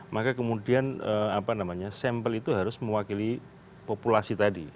maka kemudian sampel itu harus mewakili populasi tadi